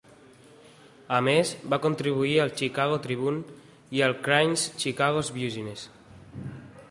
A més, va contribuir al Chicago Tribune i al Crain's Chicago Business.